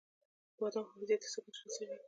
بادام حافظې ته څه ګټه رسوي؟